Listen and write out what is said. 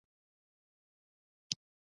مصنوعي ځیرکتیا د روغتیايي پریکړو ملاتړ کوي.